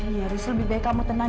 iya riz lebih baik kamu tenang